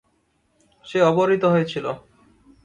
সে অপহৃত হয়েছিল।